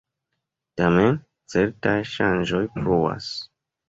Tamen certaj ŝanĝoj pluas.